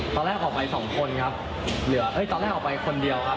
ตอนแรกออกไปสองคนครับเหลือตอนแรกออกไปคนเดียวครับ